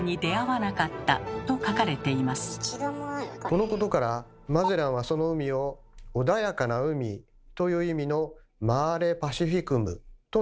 このことからマゼランはその海を「穏やかな海」という意味の「マーレ・パシフィクム」と名付けました。